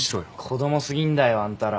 子供過ぎんだよあんたら。